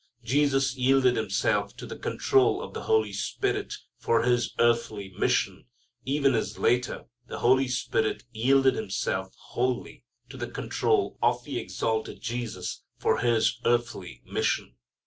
Jesus yielded Himself to the control of the Holy Spirit for His earthly mission, even as later the Holy Spirit yielded Himself wholly to the control of the exalted Jesus for His earthly mission.